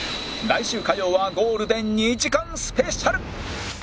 来週火曜はゴールデン２時間スペシャル！